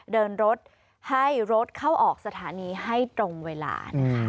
เดินรถให้รถเข้าออกสถานีให้ตรงเวลานะคะ